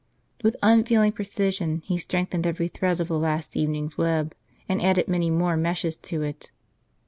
With unfeeling precision he strengthened every thread of the last evening's web, and added many more meshes to it.